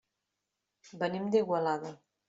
Venim d'Igualada.